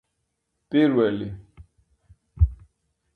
პირველი